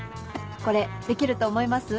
これできると思います？